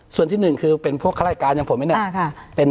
ส่วนที่๑คือเป็นพวกคลาดการณ์อย่างผมเนี่ย